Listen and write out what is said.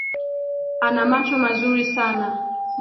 Ana macho mazuri sana.